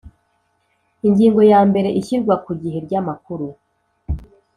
Ingingo ya mbere Ishyirwa ku gihe ry amakuru